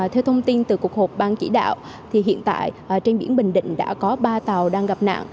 theo thông tin từ cục hộ bang chỉ đạo hiện tại trên biển bình định đã có ba tàu đang gặp nạn